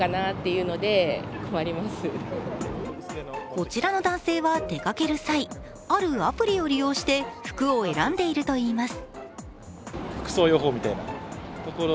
こちらの男性は出かける際あるアプリを利用して服を選んでいるといいます。